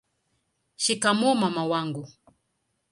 shikamoo mama wangu